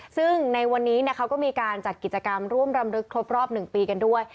ซึ่งในวันนี้เขาก็มีการจัดกิจกรรมร่วมรำลึกครบรอบ๑ปีกันด้วย